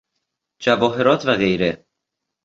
جواهرات و غیره